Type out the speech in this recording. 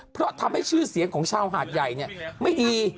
เพราะทำให้ชื่อเสียงของชาวหาดใหญ่ไม่ดี